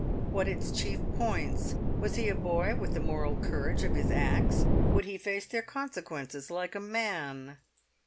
what its chief points? Was he a boy with the moral courage of his acts? Would he face their consequences like a man?